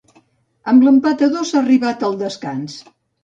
Amb l'empat a dos s'ha arribat al descans.